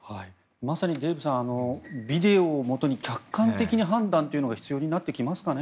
まさにデーブさんビデオをもとに客観的に判断というのが必要になってきますかね。